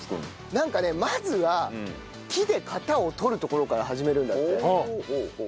なんかねまずは木で型をとるところから始めるんだって。